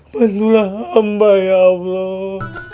bantulah hamba ya allah